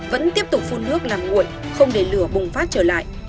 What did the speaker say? vẫn tiếp tục phun nước làm nguội không để lửa bùng phát trở lại